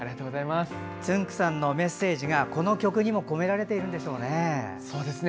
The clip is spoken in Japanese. つんく♂さんのメッセージがこの曲にも込められているんでしょうね。